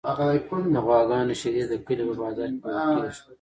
د غواګانو شیدې د کلي په بازار کې پلورل کیږي.